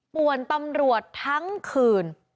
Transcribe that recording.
ป่วนตำรวจทั้งคืน